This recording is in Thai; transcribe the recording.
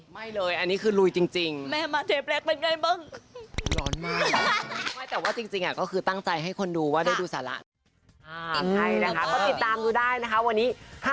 ไม่เลยอันนี้คือลุยจริง